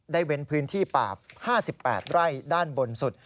เว้นพื้นที่ป่า๕๘ไร่ด้านบนสุด